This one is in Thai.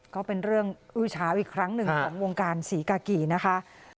ก็เป็นเรื่องอื้อเช้าอีกครั้งหนึ่งของวงการศรีกากีนะคะ